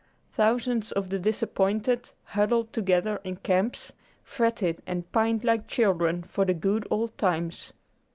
Thousands of the disappointed, huddled together in camps, fretted and pined like children for the "good old times."